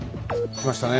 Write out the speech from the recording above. きましたね。